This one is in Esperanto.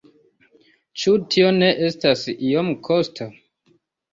Ĉu tio ne estas iom kosta?